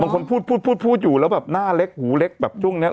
พูดพูดอยู่แล้วแบบหน้าเล็กหูเล็กแบบช่วงนี้